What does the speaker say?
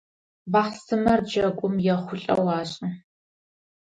Бахъсымэр джэгум ехъулӏэу ашӏы.